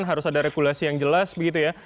harus ada regulasi yang jelas begitu ya